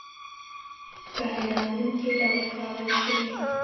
په هیرانوونکې ډول کارول شوي.